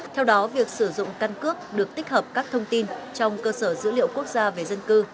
theo đó việc sử dụng căn cước được tích hợp các thông tin trong cơ sở dữ liệu quốc gia về dân cư